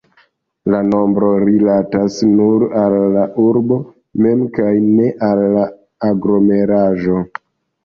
La nombro rilatas nur al la urbo mem kaj ne al la aglomeraĵo.